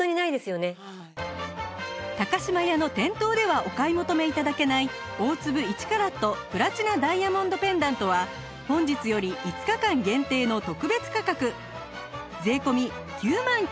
島屋の店頭ではお買い求め頂けない大粒１カラットプラチナダイヤモンドペンダントは本日より５日間限定の特別価格税込９万９８００円